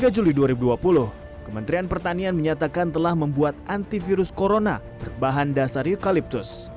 tiga juli dua ribu dua puluh kementerian pertanian menyatakan telah membuat antivirus corona berbahan dasar eukaliptus